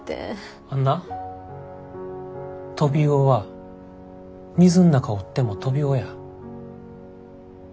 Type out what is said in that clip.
あんなトビウオは水ん中おってもトビウオや。